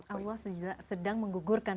allah sedang menggugurkan